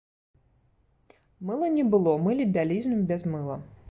Мыла не было, мылі бялізну без мыла.